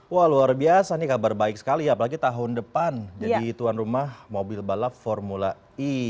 wah luar biasa nih kabar baik sekali ya apalagi tahun depan jadi tuan rumah mobil balap formula e